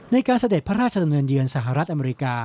เสด็จพระราชดำเนินเยือนสหรัฐอเมริกา